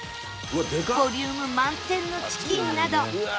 ボリューム満点のチキンなど